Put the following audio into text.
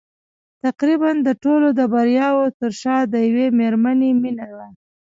تقريباً د ټولو د برياوو تر شا د يوې مېرمنې مينه وه.